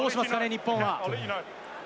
日本は。